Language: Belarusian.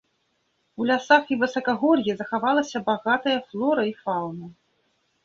У лясах і высакагор'і захавалася багатая флора і фаўна.